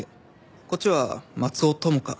こっちは松尾朋香。